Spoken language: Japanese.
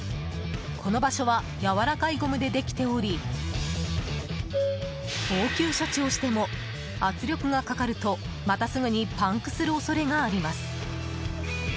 この場所はやわらかいゴムでできており応急処置をしても圧力がかかるとまた、すぐにパンクする恐れがあります。